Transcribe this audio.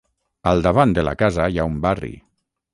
Al davant de la casa hi ha un barri.